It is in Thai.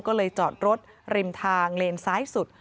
ก็เลยจอดรถริมทางเลนซ้ายสุด